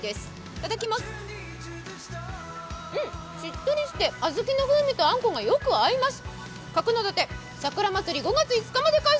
いただきます、しっとりして小豆の風味とあんこがよく合います。